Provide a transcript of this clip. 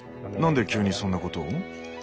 何で急にそんなことを？